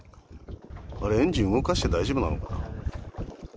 あれエンジン動かして大丈夫なのかな。